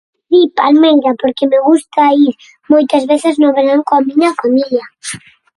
Si, Palmeira porque me gusta ir moitas veces no verán coa miña familia.